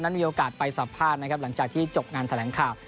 มีโอกาสไปสัมภาษณ์นะครับหลังจากที่จบงานแถลงข่าว